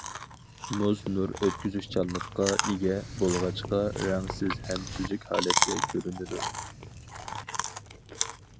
مۇز نۇر ئۆتكۈزۈشچانلىققا ئىگە بولغاچقا رەڭسىز ھەم سۈزۈك ھالەتتە كۆرۈنىدۇ.